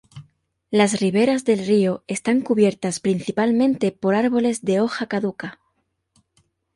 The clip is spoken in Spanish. Las riberas del río están cubiertas principalmente por árboles de hoja caduca.